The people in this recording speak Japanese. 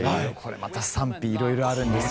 賛否いろいろあるんです。